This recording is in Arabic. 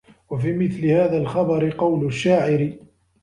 وَفِي مِثْلِ هَذَا الْخَبَرِ قَوْلُ الشَّاعِرِ